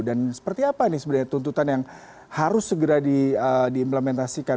dan seperti apa nih sebenarnya tuntutan yang harus segera diimplementasikan